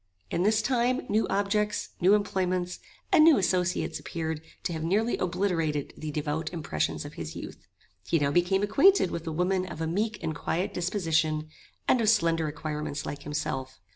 In this time new objects, new employments, and new associates appeared to have nearly obliterated the devout impressions of his youth. He now became acquainted with a woman of a meek and quiet disposition, and of slender acquirements like himself.